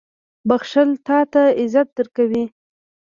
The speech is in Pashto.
• بښل تا ته عزت درکوي.